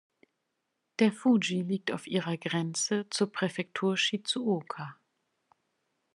Der Fuji liegt auf ihrer Grenze zur Präfektur Shizuoka.